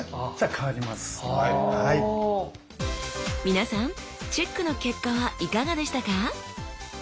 皆さんチェックの結果はいかがでしたか？